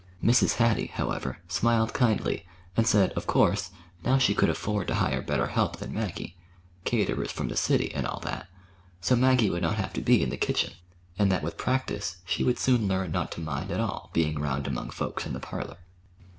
Mrs. Hattie, however, smiled kindly, and said, of course, now she could afford to hire better help than Maggie (caterers from the city and all that), so Maggie would not have to be in the kitchen, and that with practice she would soon learn not to mind at all being 'round among folks in the parlor.